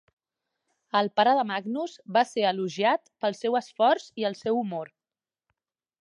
El pare de Magnus va ser elogiat pel seu esforç i el seu humor.